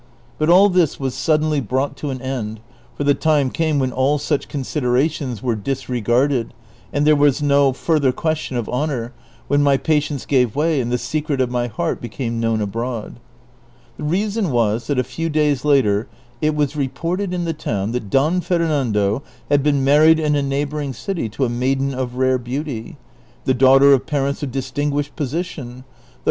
But all tliis was suddenly brought to an end, for the time came' when all such considerations were disregarded, and there was no further question of honor, when my patience gave way and the secret of my heart became known abroad. The reason was, that a few days later it was reported in the town that \)o\\ Fernando had been married in a neighboring city to a maiden of rare beauty, the daughter of parents of distinguished position, though 234 DON QUIXOTE.